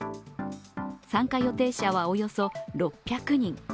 参加予定者は、およそ６００人。